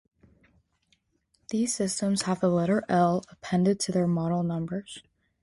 These systems have the letter "L" appended to their model numbers.